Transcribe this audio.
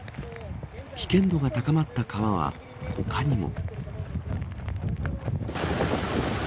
危険度が高まった川は他にも。